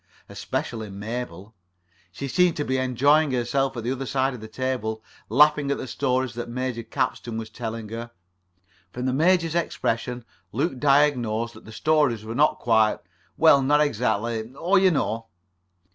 Especially Mabel. She seemed to be enjoying herself at the other side of the table, laughing at the stories that Major Capstan was telling her. From the Major's expression, Luke diagnosed that the stories were not quite—well, [Pg 45]not exactly—oh, you know.